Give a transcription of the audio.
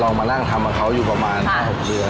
ลองมาทำทำกับเขาอยู่ประมาณ๕๖เยือน